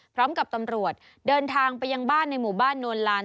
พร้อมกับตำรวจเดินทางไปยังบ้านในหมู่บ้านนวลลาน